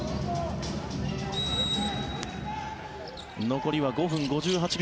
残りは５分５８秒。